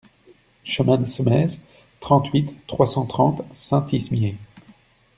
Chemin des Semaises, trente-huit, trois cent trente Saint-Ismier